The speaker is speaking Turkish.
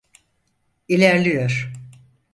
İlerliyor.